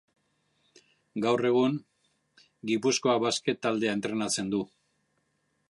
Gaur egun, Gipuzkoa Basket taldea entrenatzen du.